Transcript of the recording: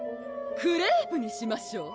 クレープにしましょう！